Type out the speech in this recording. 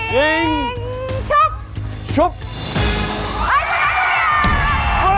ยิงชุบชุบโอ๊ยชนะเลย